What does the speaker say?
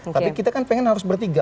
tapi kita kan pengen harus bertiga